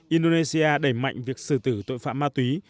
indonesia đẩy mạnh việc xử tử tội phạm ma túy